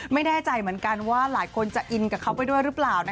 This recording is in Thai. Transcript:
ไม่แน่ใจเหมือนกันว่าหลายคนจะอินกับเขาไปด้วยหรือเปล่า